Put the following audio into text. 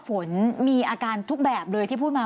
ฝนมีอาการทุกแบบเลยที่พูดมา